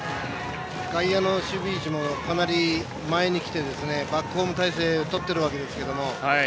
外野の守備位置もかなり前に来てバックホーム態勢をとっているんですけども。